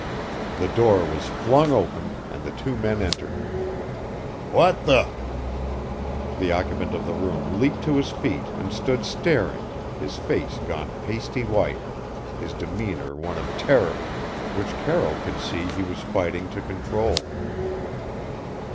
The door was flung open, and the two men entered. "What the " The occupant of the room leaped to his feet and stood staring, his face gone pasty white, his demeanor one of terror, which Carroll could see he was fighting to control.